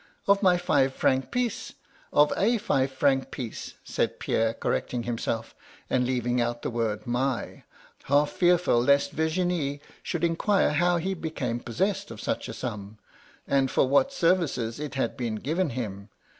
"* Of my five franc piece — of a five franc piece,' said Pierre, correcting himself, and leaving out the word my, half fearful lest Vir^nie should inquire how he became possessed of such a sum, and for what services it had been given him.